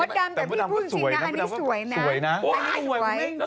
พอดำแต่พี่พูดจริงนะอันนี้สวยนะ